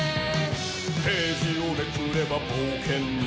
「ページをめくれば冒険に」